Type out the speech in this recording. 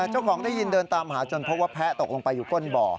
เจ้าของได้ยินเดินตามหาจนพบว่าแพะตกลงไปอยู่ก้นบ่อ